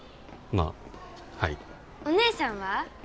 まあはいお姉さんは？